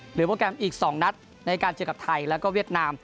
โปรแกรมอีก๒นัดในการเจอกับไทยแล้วก็เวียดนาม